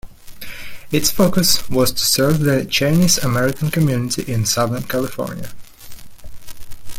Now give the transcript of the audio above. Its focus was to serve the Chinese American community in Southern California.